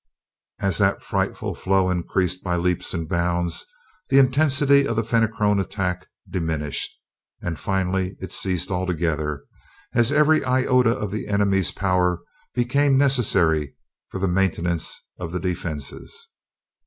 As that frightful flow increased by leaps and bounds, the intensity of the Fenachrone attack diminished, and finally it ceased altogether as every iota of the enemy's power became necessary for the maintenance of the defenses.